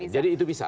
jadi itu bisa